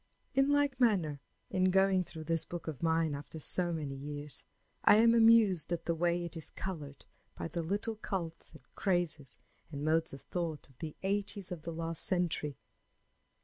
_ _In like manner, in going through this book of mine after so many years I am amused at the way it is colored by the little cults and crazes, and modes of thought of the 'eighties of the last century.